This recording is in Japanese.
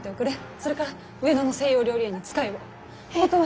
それから上野の西洋料理屋に使いを。